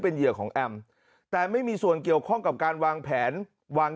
เป็นเหยื่อของแอมแต่ไม่มีส่วนเกี่ยวข้องกับการวางแผนวาง